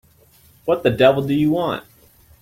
What the devil do you want?